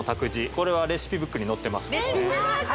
これはレシピブックに載ってます